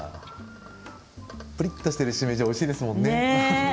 ぷりっとしているしめじは、おいしいですもんね。